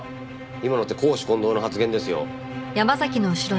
今のって公私混同の発言ですよ。